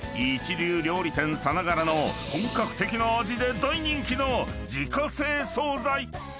［一流料理店さながらの本格的な味で大人気の自家製惣菜］